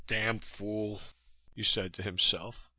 "Damn fool," he said to himself.